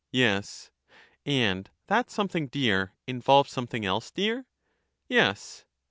Yes. And that something dear involves something else dear? Yes.